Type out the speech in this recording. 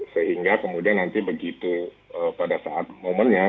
sehingga kemudian nanti begitu pada saat momennya